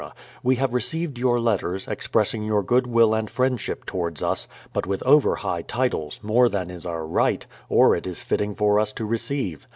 We have received your letters, expressing your good will and friendship towards us, but with over high titles, more than is our right, or it is fitting for us to receive.